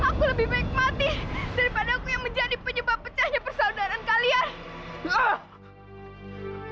aku lebih baik mati daripada aku yang menjadi penyebab pecahnya persaudaraan kalian